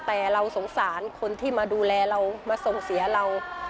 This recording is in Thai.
แต่เราสงสารคนที่มาดูแลเรามาส่งเสียเรา